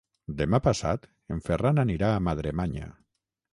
Demà passat en Ferran anirà a Madremanya.